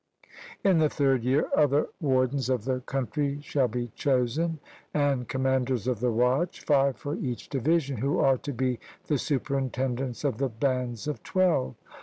In the third year other wardens of the country shall be chosen and commanders of the watch, five for each division, who are to be the superintendents of the bands of twelve.